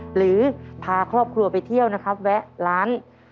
หรือพาครอบครัวไปเที่ยวนะครับแวะร้าน